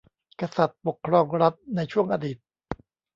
กษัตริย์ปกครองรัฐในช่วงอดีต